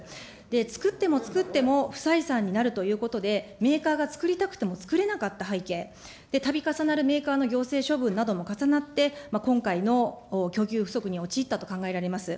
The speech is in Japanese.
作っても作っても不採算になるということで、メーカーが作りたくても作れなかった背景、たび重なるメーカーの行政処分なども重なって、今回の供給不足に陥ったと考えられます。